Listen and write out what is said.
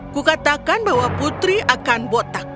kukatakan bahwa putri akan botak